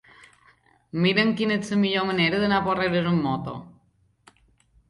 Mira'm quina és la millor manera d'anar a Porreres amb moto.